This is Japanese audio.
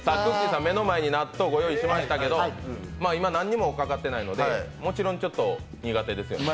さん、目の前に納豆、ご用意しましたけど今何もかかってないのでもちろん苦手ですよね？